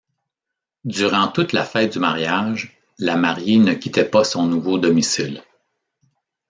Durant toute la fête du mariage, la mariée ne quittait pas son nouveau domicile.